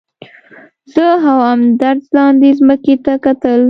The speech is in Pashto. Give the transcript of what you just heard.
زه او همدرد لاندې مځکې ته کتل.